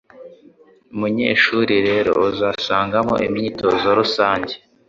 Munyeshuri rero, uzasangamo imyitozo rusange